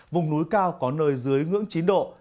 vùng núi cao có nơi dưới ngưỡng chín độ